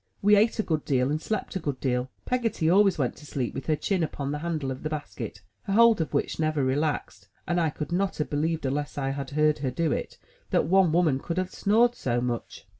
We ate a good deal, and slept a good deal. Peggotty always went to sleep with her chin upon the handle of the basket, her hold of which never relaxed, and I could not have believed unless I had heard her do it, that one woman could have snored so much.